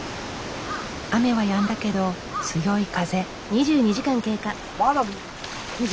雨はやんだけど強い風。